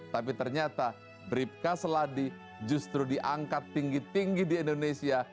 tapi ternyata bribka seladi justru diangkat tinggi tinggi di indonesia